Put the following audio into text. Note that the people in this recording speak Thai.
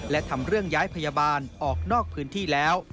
และทำเรื่องย้ายพยาบาลออกนอกพื้นที่แล้ว